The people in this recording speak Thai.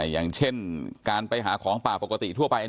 อย่างเช่นการไปหาของป่าปกติทั่วไป